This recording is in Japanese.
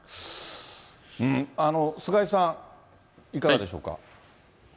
菅井さん、いかがでしょうか。